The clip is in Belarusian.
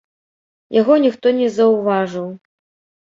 Яго ніхто не заўважыў.